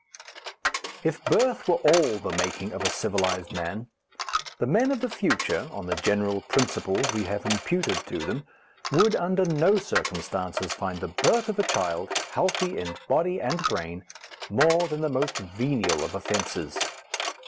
If birth were all the making of a civilized man, the men of the future, on the general principles we have imputed to them, would under no circumstances find the birth of a child, healthy in body and brain, more than the most venial of offences.